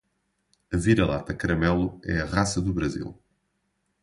Vira-lata caramelo é a raça do Brasil